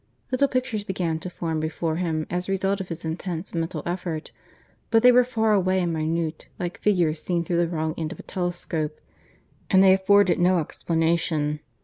Little pictures began to form before him as a result of his intense mental effort, but they were far away and minute, like figures seen through the wrong end of a telescope; and they afforded no explanation.